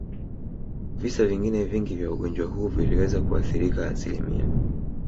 Visa vingine vingi vya ugonjwa huu viliweza kuathirika asilimi